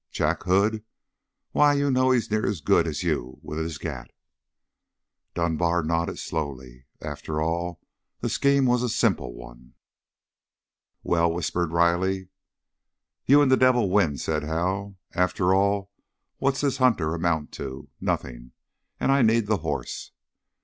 Jack Hood? Why, you know he's near as good as you with his gat!" Dunbar nodded slowly. After all, the scheme was a simple one. "Well?" whispered Riley. "You and the devil win," said Hal. "After all, what's this Hunter amount to? Nothing. And I need the horse!"